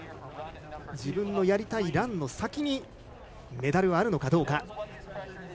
自分のやりたいランの先にメダルはあるのかどうか。